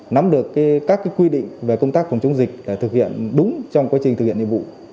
nắm được các quy định về công tác phòng chống dịch để thực hiện đúng trong quá trình thực hiện nhiệm vụ